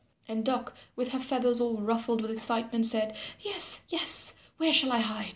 And Duck with her feathers all ruffled with excitement said, "Yes, yes, where shall I hide?"